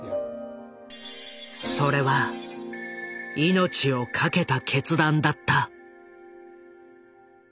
それは命を懸けた決断だった。